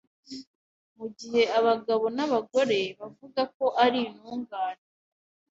Mu gihe abagabo n’abagore bavuga ko ari intungane,